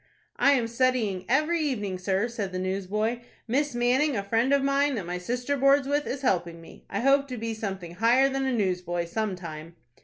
"I am studying every evening, sir," said the newsboy. "Miss Manning, a friend of mine, that my sister boards with, is helping me. I hope to be something higher than a newsboy some time."